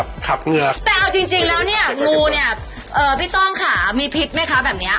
แต่เอาจริงแล้วเนี่ยงูเนี่ยพี่ต้องค่ะมีพิษไหมคะแบบเนี้ย